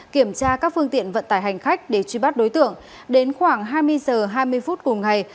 kiểm tra các phương tiện vận tải hành khách để truy bắt đối tượng đến khoảng hai mươi h hai mươi phút cùng ngày